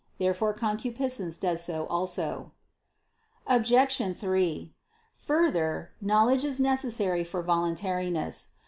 Therefore concupiscence does so also. Obj. 3: Further, knowledge is necessary for voluntariness.